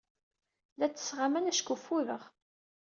La ttesseɣ aman acku ffudeɣ.